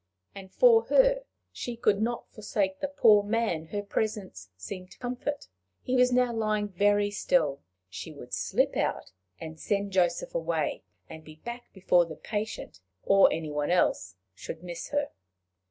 And for her, she could not forsake the poor man her presence seemed to comfort! He was now lying very still: she would slip out and send Joseph away, and be back before the patient or any one else should miss her!